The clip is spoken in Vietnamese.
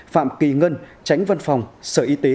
phạm kỳ ngân tránh văn phòng sở y tế